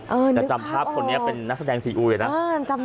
เออนึกภาพออกแต่จำภาพคนนี้เป็นนักแสดงซีอุ๋ยนะ